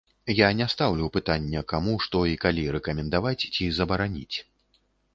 Я не стаўлю пытання, каму што і калі рэкамендаваць ці забараніць.